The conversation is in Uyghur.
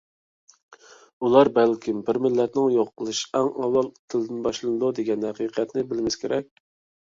ئۇلار بەلكىم «بىر مىللەتنىڭ يوقىلىشى ئەڭ ئاۋۋال تىلىدىن باشلىنىدۇ» دېگەن ھەقىقەتنى بىلمىسە كېرەك!